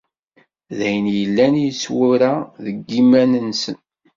D ayen yellan yettwura deg yiman nsen.